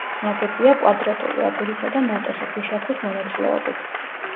ნაგებია კვადრატული აგურისა და ნატეხი ქვიშაქვის მონაცვლეობით.